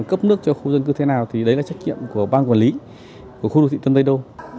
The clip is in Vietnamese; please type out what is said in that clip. cấp nước cho khu dân cư thế nào thì đấy là trách nhiệm của ban quản lý của khu đô thị tân tây đô